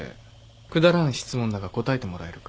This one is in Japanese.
くだらん質問だが答えてもらえるか？